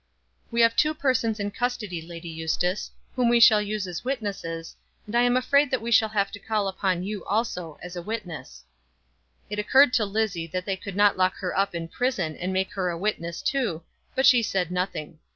"We have two persons in custody, Lady Eustace, whom we shall use as witnesses, and I am afraid we shall have to call upon you also, as a witness." It occurred to Lizzie that they could not lock her up in prison and make her a witness too, but she said nothing.